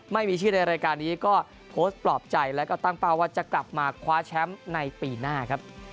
ไม่มีชื่อในรายการนี้ก็โพสต์ปลอบใจแล้วก็ตั้งเป้าว่าจะกลับมาคว้าแชมป์ในปีหน้าครับ